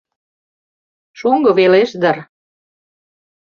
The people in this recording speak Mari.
Шоҥго велеш дыр.